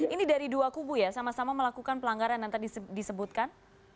ini dari dua kubu ya sama sama melakukan pelanggaran yang tadi disebutkan